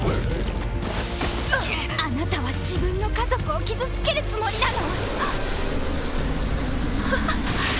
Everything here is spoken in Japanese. あなたは自分の家族を傷つけるつもりなの？